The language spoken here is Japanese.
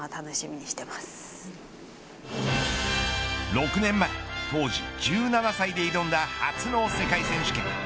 ６年前、当時１７歳で挑んだ初の世界選手権。